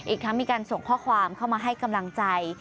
อีกทั้งมีการส่งข้อความเข้ามาให้กำลังใจ